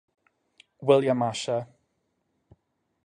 William Asher